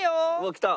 きた！